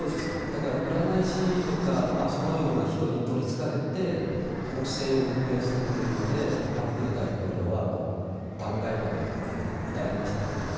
だから占い師とかそのような人に取りつかれて国政を運営するというので朴槿惠大統領はもう弾劾まで至りましたけど。